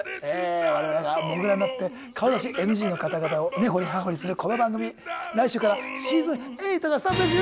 我々がモグラになって顔出しＮＧの方々をねほりはほりするこの番組来週からシーズン８がスタートです。